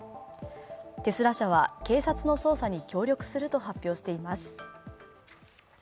テスラ社は警察の捜査に協力すると発表しています。